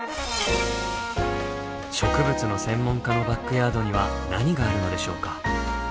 植物の専門家のバックヤードには何があるのでしょうか？